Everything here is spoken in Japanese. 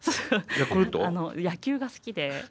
あの野球が好きで。